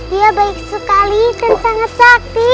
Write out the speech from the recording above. dia baik sekali dan sangat sakti